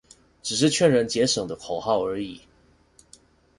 只是勸人節省的口號而已